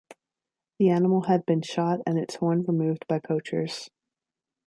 The animal had been shot and its horn removed by poachers.